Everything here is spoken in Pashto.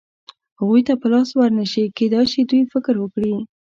هغوی ته په لاس ور نه شي، کېدای شي دوی فکر وکړي.